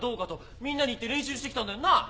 みんなに言って練習してきたんだよなあ？